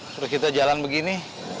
suruh kita jalan begini